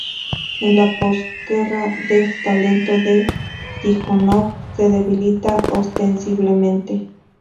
En la posguerra el talento de Tíjonov se debilita ostensiblemente.